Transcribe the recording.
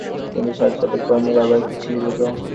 কিন্তু দিন সাতেক পর নীল আবার একটি চিঠি লিখল।